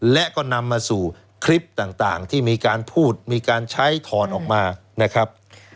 และก็นำมาสู่คลิปต่างที่มีการพูดมีการใช้ถอดออกมานะครับ